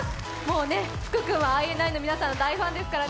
福君は、ＩＮＩの皆さんの大ファンですからね。